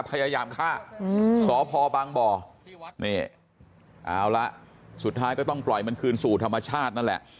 พยายามฆ่าสพบางบ่อนี่เอาละสุดท้ายก็ต้องปล่อยมันคืนสู่ธรรมชาตินั่นแหละ